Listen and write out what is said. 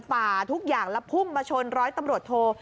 ฝ่าทุกอย่างแล้วพุ่งมาชนร้อยตำรวจโท